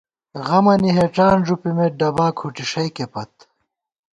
غمَنی ہېڄان ݫُپِمېت، ڈبا کھُٹی ݭَئیکےپت